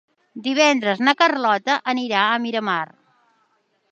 Divendres na Carlota anirà a Miramar.